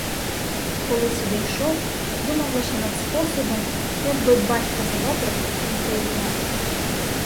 Коли сюди йшов, думав лише над способами, як би батька задобрити і приєднати.